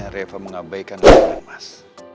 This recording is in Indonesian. reva mengabaikan hati hati mas